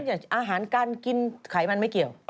สาเหตุอาหารกันกินไขมันไม่เกี่ยว